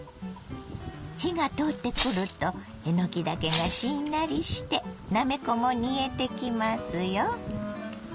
火が通ってくるとえのきだけがしんなりしてなめこも煮えてきますよ。